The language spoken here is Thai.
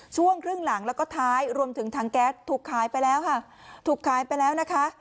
ช่วงครึ่งหลังและขายรวมถึงทางแก๊สถูกขายไปแล้ว